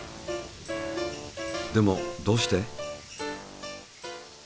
でもどうして？